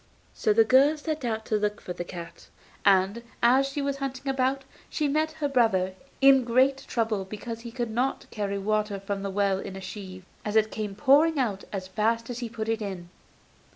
So the girl set out to look for the cat, and, as she was hunting about, she met her brother, in great trouble because he could not carry water from the well in a sieve, as it came pouring out as fast as he put it in.